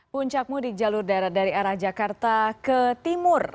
puncak mudik jalur dari arah jakarta ke timur